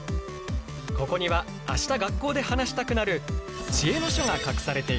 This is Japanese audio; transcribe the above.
ここには明日学校で話したくなる知恵の書が隠されている。